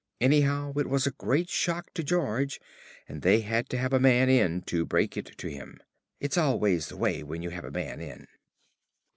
Anyhow, it was a great shock to George, and they had to have a man in to break it to him. (It's always the way when you have a man in.)